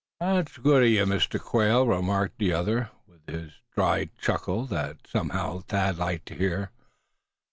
"Thet's good o' ye, Mistah Quail," remarked the other, with one of his dry chuckles that somehow Thad liked to hear.